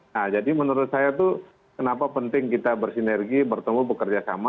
nah jadi menurut saya itu kenapa penting kita bersinergi bertemu bekerja sama